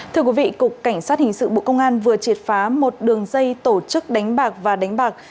thưa quý vị cục cảnh sát hình sự bộ công an vừa triệt phá một đường dây tổ chức đánh bạc và đánh bạc